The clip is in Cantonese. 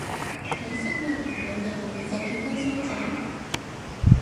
你識咩朋友廿尾就結婚生仔？